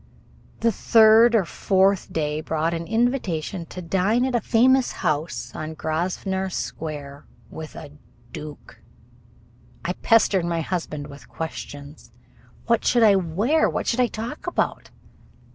The third or fourth day brought an invitation to dine at a famous house on Grosvenor Square with a duke! I pestered my husband with questions. What should I wear? What should I talk about?